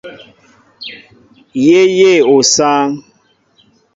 Yé yéʼ osááŋ.